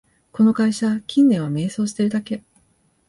この会社、近年は迷走してるだけ